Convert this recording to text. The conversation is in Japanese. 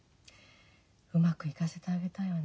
うまくいかせてあげたいわね。